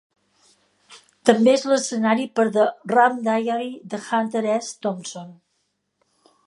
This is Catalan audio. També és l'escenari per "The Rum Diary" de Hunter S. Thompson.